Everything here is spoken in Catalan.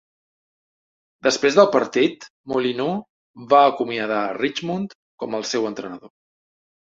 Després del partit, Molineaux va acomiadar a Richmond com al seu entrenador.